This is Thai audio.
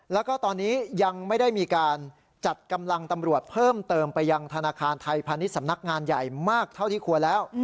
แล้วก็ตอนนี้ยังไม่ได้มีการจัดกำลังตำรวจเพิ่มเติมไปยังธนาคารไทยพาณิชย์สำนักงานใหญ่มากเท่าที่ควรแล้ว